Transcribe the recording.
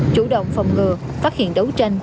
chủ động phòng ngừa phát hiện đấu tranh